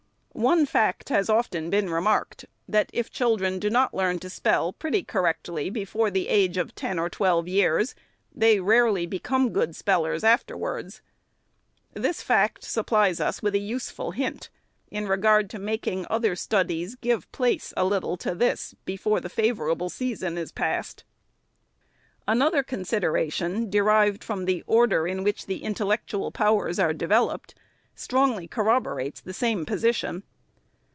One fact has been often remarked, that if children do not learn to spell pretty correctly before the age of ten or twelve years, they rarely become good spellers after wards. This fact supplies us with a useful hint, in regard to making other studies give place, a little, to this, before the favorable season is passed. Another consideration, derived from the order in which the intellectual powers are developed, strongly corroborates the same position.